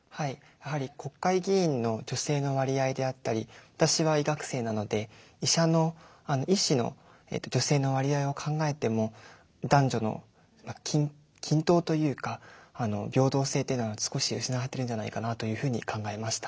やはり国会議員の女性の割合であったり私は医学生なので医師の女性の割合を考えても男女の均等というか平等性というのが少し失われてるんじゃないかなというふうに考えました。